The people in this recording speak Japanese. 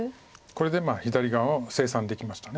これで左側は清算できました。